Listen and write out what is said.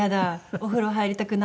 「お風呂入りたくない」。